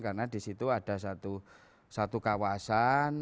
karena di situ ada satu kawasan